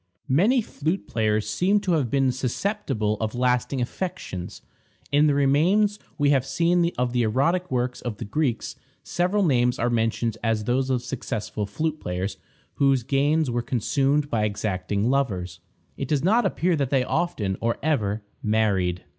Many flute players seem to have been susceptible of lasting affections. In the remains we have of the erotic works of the Greeks, several names are mentioned as those of successful flute players whose gains were consumed by exacting lovers. It does not appear that they often, or ever, married.